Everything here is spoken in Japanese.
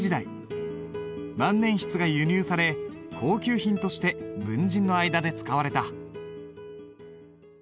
万年筆が輸入され高級品として文人の間で使われた。